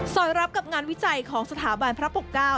รับกับงานวิจัยของสถาบันพระปกเก้า